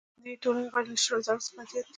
د دې ټولنې غړي له شلو زرو څخه زیات دي.